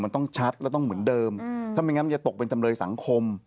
มันต้องชัดแล้วต้องเหมือนเดิมถ้าไม่งั้นมันจะตกเป็นจำเลยสังคม